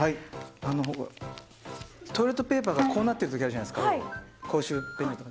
トイレットペーパーがこうなってるときあるじゃないですか、公衆便所。